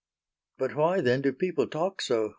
"But, why then do people talk so?"